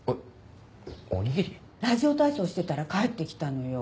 ラジオ体操してたら帰ってきたのよ。